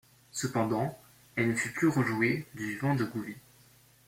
Cependant elle ne fut plus rejouée du vivant de Gouvy.